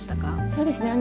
そうですね。